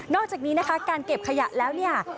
อกจากนี้นะคะการเก็บขยะแล้วเนี่ย